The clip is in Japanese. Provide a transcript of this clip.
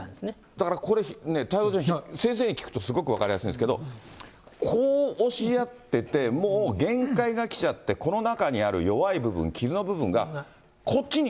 だからこれ、ね、太蔵ちゃん、先生に聞くとすごく分かりやすいんですけど、こう押し合ってて、もう限界が来ちゃって、この中にある弱い部分、傷の部分が、こっちに。